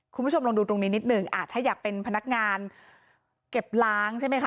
คุณผู้ชมลองดูตรงนี้นิดหนึ่งอ่ะถ้าอยากเป็นพนักงานเก็บล้างใช่ไหมคะ